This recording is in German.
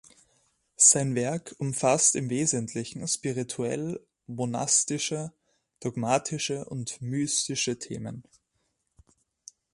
Sein Werk umfasst im Wesentlichen spirituell-monastische, dogmatische und mystische Themen.